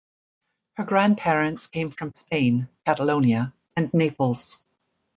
Her grandparents came from Spain (Catalonia) and Naples.